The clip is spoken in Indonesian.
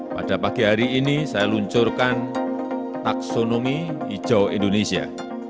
pada pagi hari ini saya luncurkan taksonomi hijau indonesia